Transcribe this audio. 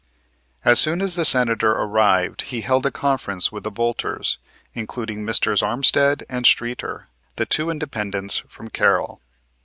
As soon as the Senator arrived he held a conference with the bolters, including Messrs. Armstead and Streeter, the two independents from Carroll.